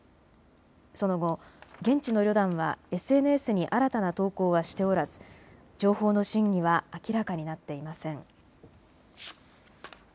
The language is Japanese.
その後、現地の旅団はＳＮＳに新たな投稿はしておらず情報の真偽は明らかになっていません。